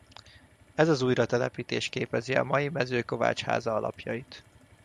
Ez az újratelepítés képezi a mai Mezőkovácsháza alapjait.